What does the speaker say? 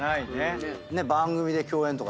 番組で共演とか。